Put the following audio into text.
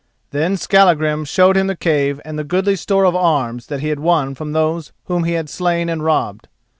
Then Skallagrim showed him the cave and the goodly store of arms that he had won from those whom he had slain and robbed.